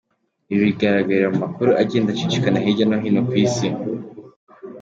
Ibi bigaragarira mu makuru agenda acicikana hirya no hino ku isi.